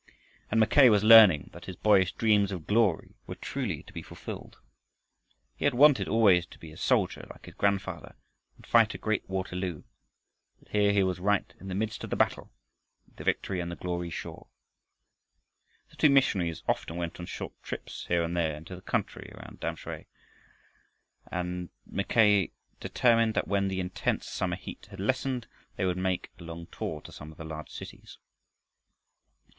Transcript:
And Mackay was learning that his boyish dreams of glory were truly to be fulfilled. He had wanted always to be a soldier like his grandfather, and fight a great Waterloo, and here he was right in the midst of the battle with the victory and the glory sure. The two missionaries often went on short trips here and there into the country around Tamsui, and Mackay determined that when the intense summer heat had lessened they would make a long tour to some of the large cities.